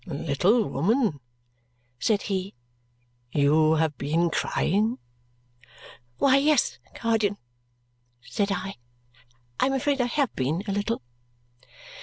"Little woman," said he, "You have been crying." "Why, yes, guardian," said I, "I am afraid I have been, a little.